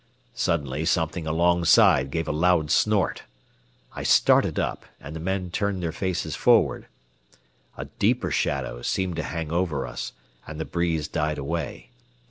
Suddenly something alongside gave a loud snort. I started up, and the men turned their faces forward. A deeper shadow seemed to hang over us, and the breeze died away.